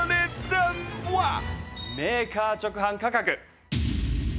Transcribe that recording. メーカー直販価格。